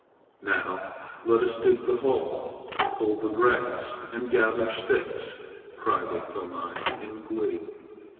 "Now let us dig the hole, pull the grass, and gather sticks," cried Iktomi in glee.